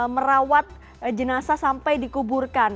merawat jenazah sampai dikuburkan